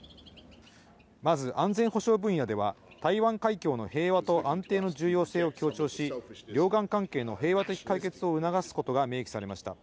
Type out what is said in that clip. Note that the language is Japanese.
まず安全保障分野では台湾海峡の平和と安定の重要性を強調し、両岸関係の平和的解決を促すことが明記されました。